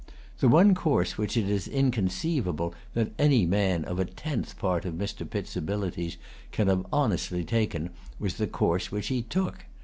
The one course which it is inconceivable that any man of a tenth part of Mr. Pitt's abilities can have honestly taken was the course which he took.